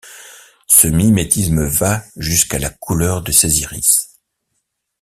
Ce mimétisme va jusqu'à la couleur de ses iris.